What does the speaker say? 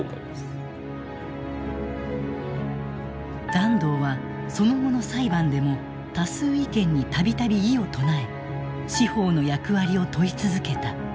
團藤はその後の裁判でも多数意見に度々異を唱え司法の役割を問い続けた。